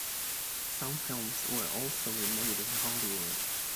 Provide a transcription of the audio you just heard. Some films were also re-made in Hollywood.